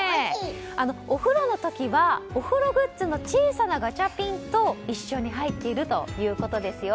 お風呂の時は、お風呂グッズの小さなガチャピンと一緒に入っているということですよ。